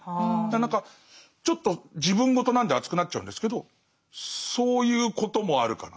何かちょっと自分ごとなんで熱くなっちゃうんですけどそういうこともあるかな。